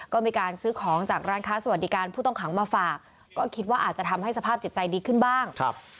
ก็มีการซื้อของจากร้านค้าสวัสดิการผู้ต้องขังมาฝากก็คิดว่าอาจจะทำให้สภาพจิตใจดีขึ้นบ้างครับ